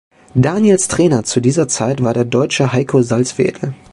Daniels Trainer zu dieser Zeit war der Deutsche Heiko Salzwedel.